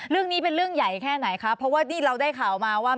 เรื่องนี้เป็นเรื่องใหญ่แค่ไหนคะเพราะว่านี่เราได้ข่าวมาว่า